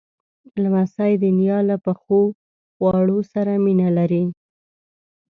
لمسی د نیا له پخو خواړو سره مینه لري.